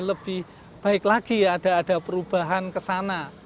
lebih baik lagi ya ada perubahan ke sana